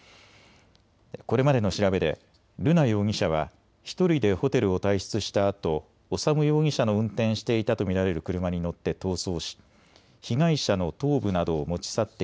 これまでの調べで瑠奈容疑者は１人でホテルを退出したあと、修容疑者の運転していたと見られる車に乗って逃走し被害者の頭部などを持ち去って